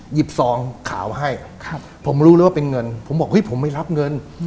หยิบซองข่าวให้ผมรู้แล้วว่าเป็นเงินผมบอกว่าผมไม่รับเงิน